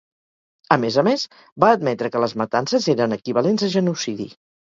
A més a més, va admetre que les matances eren equivalents a genocidi.